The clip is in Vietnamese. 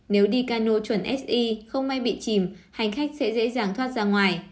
nếu đi cano chuẩn sy không may bị chìm hành khách sẽ dễ dàng thoát ra ngoài